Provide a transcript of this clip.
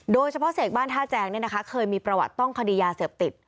โดยเฉพาะเสกบ้านท่าแจงเนี่ยนะคะเคยมีประวัติต้องคดียาเสียบติด